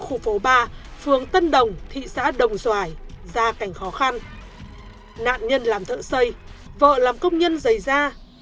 khu phố ba phường tân đồng thị xã đồng xoài ra cảnh khó khăn nạn nhân làm thợ xây vợ làm công nhân rời ra